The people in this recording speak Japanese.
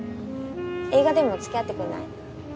映画でもつきあってくれない？